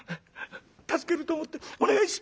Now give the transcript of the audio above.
助けると思ってお願いし」。